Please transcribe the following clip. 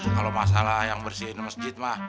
kalau masalah yang bersihin masjid mah